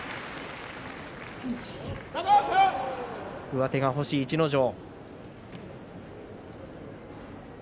上手が欲しい逸ノ城。